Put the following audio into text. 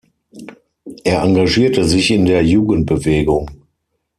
Er engagierte sich in der Jugendbewegung.